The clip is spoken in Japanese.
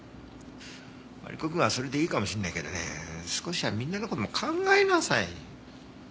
マリコくんはそれでいいかもしれないけどね少しはみんなの事も考えなさい。